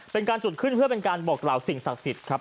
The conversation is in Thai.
เป็นการจุดขึ้นเพื่อเป็นการบอกกล่าวสิ่งศักดิ์สิทธิ์ครับ